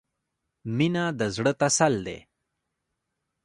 • مینه د زړۀ تسل دی.